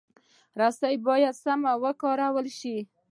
رسۍ باید سمه کارول شي.